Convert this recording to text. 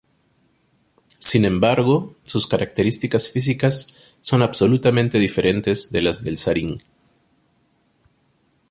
Sin embargo, sus características físicas son absolutamente diferentes de las del sarín.